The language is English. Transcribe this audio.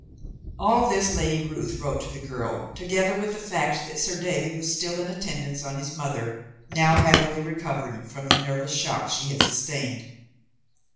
All this Lady Ruth wrote to the girl, together with the fact that Sir David was still in attendance on his mother, now happily recovering from the nervous shock she had sustained.